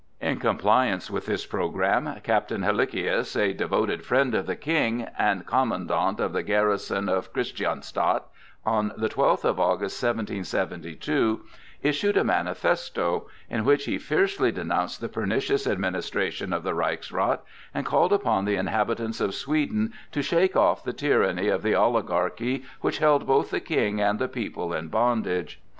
In compliance with this programme Captain Hellichius, a devoted friend of the King, and Commandant of the garrison of Christianstadt, on the twelfth of August, 1772, issued a manifesto, in which he fiercely denounced the pernicious administration of the Reichsrath, and called upon the inhabitants of Sweden to shake off the tyranny of the oligarchy which held both the King and the people in bondage.